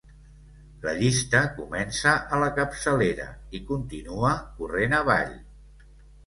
La llista comença a la capçalera i continua corrent avall.